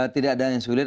tidak ada yang sulit